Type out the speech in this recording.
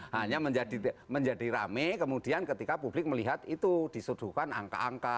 hanya menjadi rame kemudian ketika publik melihat itu disuduhkan angka angka